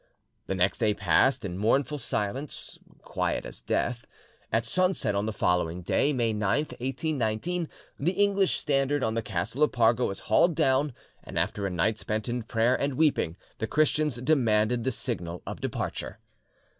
The next day passed in mournful silence, quiet as death, At sunset on the following day, May 9, 1819, the English standard on the castle of Parga was hauled down, and after a night spent in prayer and weeping, the Christians demanded the signal of departure.